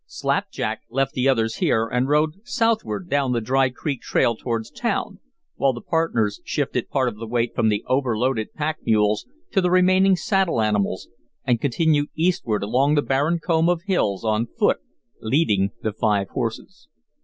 Slapjack left the others here and rode southward down the Dry Creek Trail towards town, while the partners shifted part of the weight from the overloaded pack mules to the remaining saddle animals and continued eastward along the barren comb of hills on foot, leading the five horses.